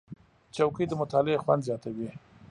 چوکۍ د مطالعې خوند زیاتوي.